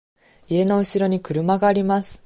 家のうしろに車があります。